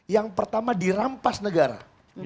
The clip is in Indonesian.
yang pertama dirampas negara